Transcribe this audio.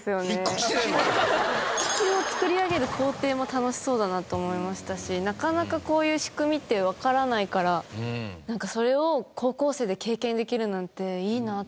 気球を作り上げる工程も楽しそうだなと思いましたしなかなかこういう仕組みってわからないからそれを高校生で経験できるなんていいなって思いました。